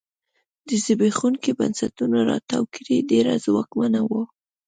له زبېښونکو بنسټونو راتاوه کړۍ ډېره ځواکمنه وه.